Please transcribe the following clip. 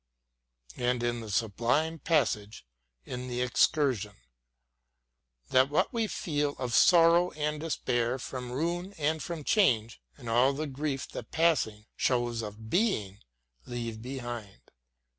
And in that sublime passage in the " Excursion ": That what we feel of sorrow and despair From ruin and from change, and all the grief That passing shows of Being leave behind.